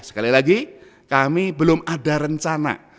sekali lagi kami belum ada rencana